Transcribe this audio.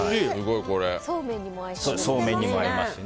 そうめんにも合いそうですね。